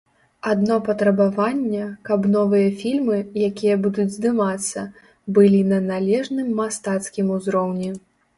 Адно патрабаванне, каб новыя фільмы, якія будуць здымацца, былі на належным мастацкім узроўні.